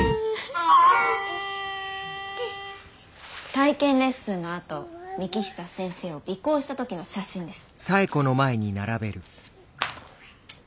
体験レッスンのあと幹久先生を尾行した時の写真です。